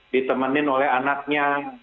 ditemenin oleh anaknya